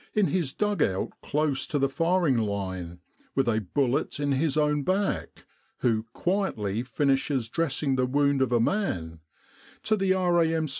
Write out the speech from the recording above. in his dug out close to the firing line, with a bullet in his own back, who "quietly" finishes dressing the wound of a man, to the R.A.M.